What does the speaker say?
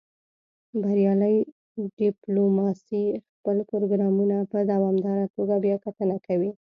بریالۍ ډیپلوماسي خپل پروګرامونه په دوامداره توګه بیاکتنه کوي